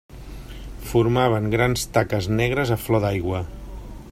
Formaven grans taques negres a flor d'aigua.